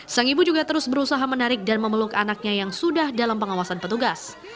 sang ibu juga terus berusaha menarik dan memeluk anaknya yang sudah dalam pengawasan petugas